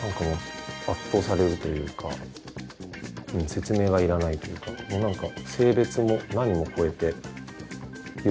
説明がいらないというかもうなんか。